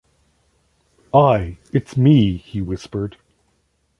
"Ay, it's me," he whispered.